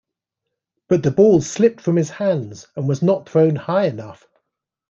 But the ball slipped from his hands and was not thrown high enough.